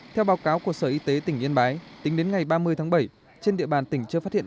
theo báo cáo của sở y tế tỉnh yên bái tính đến ngày ba mươi tháng bảy trên địa bàn tỉnh chưa phát hiện